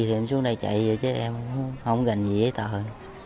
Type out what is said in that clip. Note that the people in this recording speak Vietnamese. thì em xuống đây chạy rồi chứ em không gần gì hết tờ